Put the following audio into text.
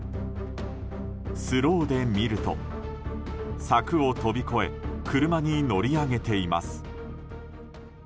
スローで見ると、柵を飛び越え車に乗り上げています。